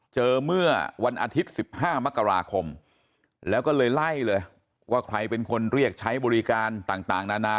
เจอเมื่อวันอาทิตย์๑๕มกราคมแล้วก็เลยไล่เลยว่าใครเป็นคนเรียกใช้บริการต่างนานา